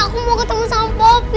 aku mau ketemu sama pop